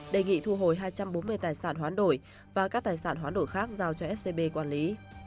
đề nghị thu hồi hai trăm bốn mươi tài sản hoán đổi và các tài sản hoán đổi khác giao cho scb quản lý